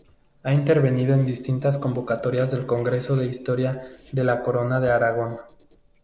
Ha intervenido en distintas convocatorias del Congreso de Historia de la Corona de Aragón.